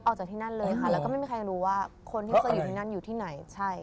ออกจากที่นั่นเลยค่ะแล้วก็ไม่มีใครรู้ว่าคนที่เคยอยู่ที่นั่นอยู่ที่ไหนใช่